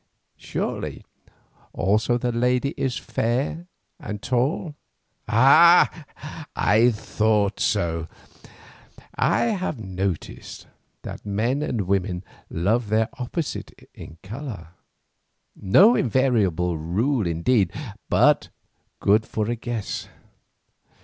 Surely also the lady is fair and tall? Ah! I thought so. I have noticed that men and women love their opposite in colour, no invariable rule indeed, but good for a guess."